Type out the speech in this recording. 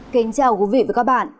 kính chào quý vị và các bạn